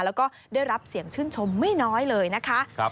แล้วก็ได้รับเสียงชื่นชมไม่น้อยเลยนะคะ